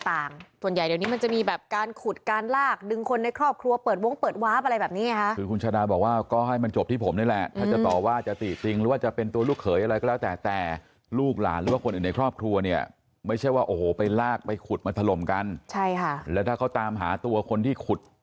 ต่างส่วนใหญ่เดี๋ยวนี้มันจะมีแบบการขุดการลากดึงคนในครอบครัวเปิดวงเปิดวาร์ฟอะไรแบบนี้ไงฮะคือคุณชาดาบอกว่าก็ให้มันจบที่ผมนี่แหละถ้าจะต่อว่าจะติจริงหรือว่าจะเป็นตัวลูกเขยอะไรก็แล้วแต่แต่ลูกหลานหรือว่าคนอื่นในครอบครัวเนี่ยไม่ใช่ว่าโอ้โหไปลากไปขุดมาถล่มกันใช่ค่ะแล้วถ้าเขาตามหาตัวคนที่ขุด